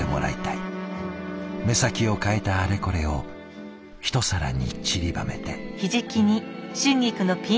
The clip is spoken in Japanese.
目先を変えたあれこれを一皿にちりばめて。